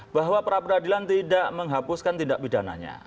bahwa peradilan tidak menghapuskan tindak pidananya